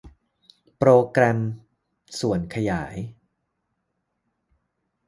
โปรแกรมส่วนขยาย